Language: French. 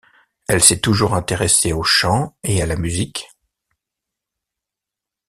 Elle s'est toujours intéressée au chant et à la musique.